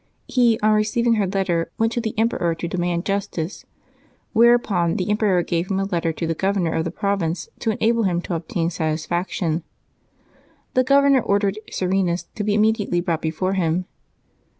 He, on receiving her letter, went to the emperor to demand justice, whereupon the emperor gave him a letter to the governor of the province to enable him to obtain satisfaction. The governor ordered Serenus to be imme diately brought before him.